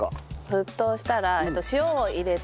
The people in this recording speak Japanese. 沸騰したら塩を入れて。